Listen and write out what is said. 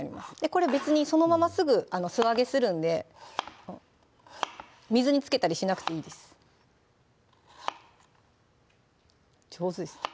これ別にそのまますぐ素揚げするんで水につけたりしなくていいです上手ですね